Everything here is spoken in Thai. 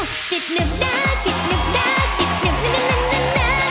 กิจนึกนะกิจนึกนะกิจนึกนะนะนะนะนะ